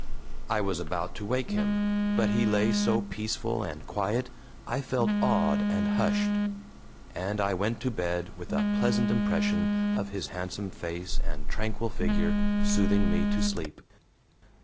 I was about to wake him, but he lay so peaceful and quiet, I felt awed and hushed. And I went to bed with a pleasant impression of his handsome face and tranquil figure soothing me to sleep.